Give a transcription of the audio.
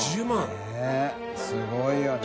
ねぇすごいよね。